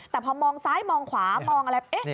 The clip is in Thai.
แต่พอมองซ้ายมองขวามองอะไร